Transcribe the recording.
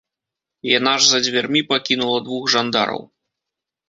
Яна ж за дзвярмі пакінула двух жандараў.